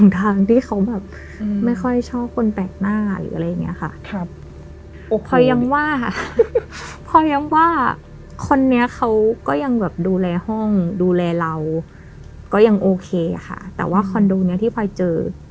แต่ว่าคอนโดนี้ที่พอยเจอ